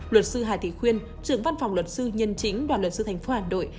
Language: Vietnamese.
luật sư hà thị khuyên trưởng văn phòng luật sư nhân chính đoàn luật sư thành phố hà nội